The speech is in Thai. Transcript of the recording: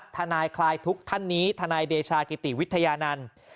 ทานายคลายทุกทัศนีทานายเดชากิติวิทยานันทร์